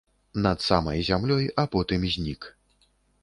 Над самай зямлёй, а потым знік.